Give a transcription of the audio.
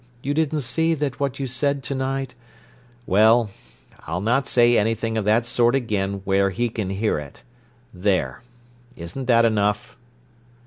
You didn't see that what you said to night—" "Well, I'll not say anything of that sort again where he can hear it. There, isn't that enough?"